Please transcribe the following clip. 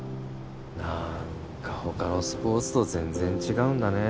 何か他のスポーツと全然違うんだね